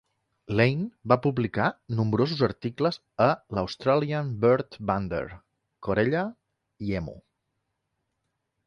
Lane va publicar nombrosos articles a l'"Australian Bird Bander", "Corella" i "Emu".